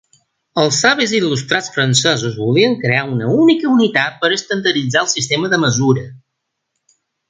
Els savis il·lustrats francesos volien crear una única unitat per estandarditzar el sistema de mesura.